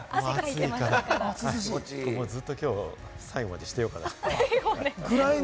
ずっと今日、最後までしてようかな。